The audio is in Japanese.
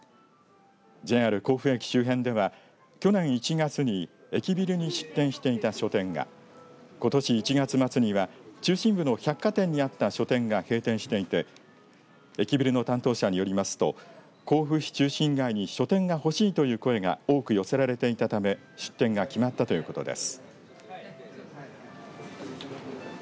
ＪＲ甲府駅周辺では去年１月に駅ビルに出店していた書店がことし１月末には中心部の百貨店にあった書店が閉店していて駅ビルの担当者によりますと甲府市中心街に書店がほしいという声が多く寄せられていたため出店が決まったということです。